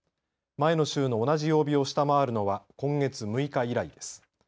前の週の同じ曜日を下回るのは今月６日以来です。